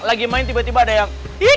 lagi main tiba tiba ada yang